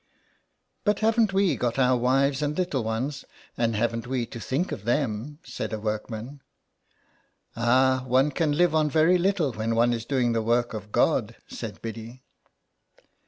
'' But haven't we got our wives and little ones, and haven't we to think of them ?" said a workman. '* Ah, one can live on very little when one is doing the work of God," said Biddy.